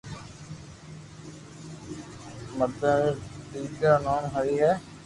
مدن ري دآڪرا نوم ھري ھي